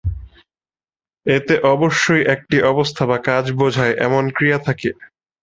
এতে অবশ্যই একটি অবস্থা বা কাজ বোঝায় এমন ক্রিয়া থাকে।